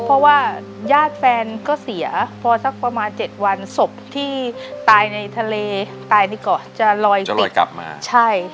เพราะว่าญาติแฟนก็เสียพอสักประมาณเจ็ดวันศพที่ตายในทะเลตายในเกาะจะลอยติดกลับมาใช่